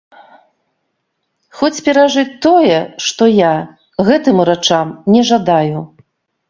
Хоць перажыць тое, што я, гэтым урачам не жадаю.